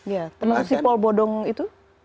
ya termasuk si paul bodong itu